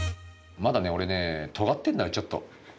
まだね俺ねとがってんのよちょっと。